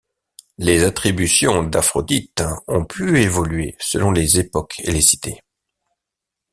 Les attributions d'Aphrodite ont pu évoluer selon les époques et les cités.